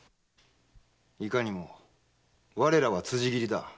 いかにも我らは辻斬りだ。